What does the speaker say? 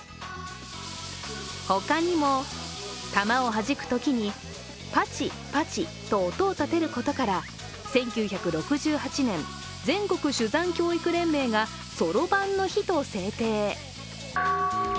他にもタマをはじくときに音を立てることから１９６８年、全国珠算教育連盟がそろばんの日と制定。